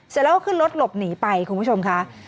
เสร็จแล้วก็ขึ้นรถหลบหนีไปคุณผู้ชมค่ะ